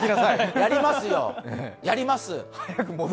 やりますよ、やります！